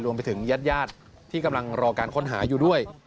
รวมไปถึงญาติที่กำลังรอการค้นหาอยู่ด้วย